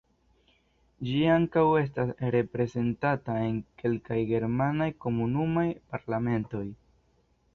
Ĝi ankaŭ estas reprezentata en kelkaj germanaj komunumaj parlamentoj.